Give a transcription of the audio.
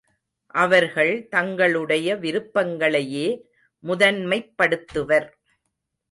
அவர்கள் தங்களுடைய விருப்பங்களையே முதன்மைப் படுத்துவர்.